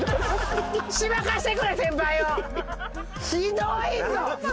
ひどいぞ！